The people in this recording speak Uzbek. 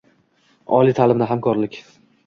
Oliy ta’limda hamkorlikng